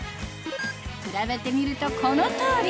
比べてみるとこの通り！